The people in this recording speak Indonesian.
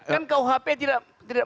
kan kuhp tidak